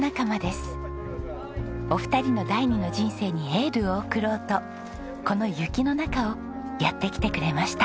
お二人の第二の人生にエールを送ろうとこの雪の中をやって来てくれました。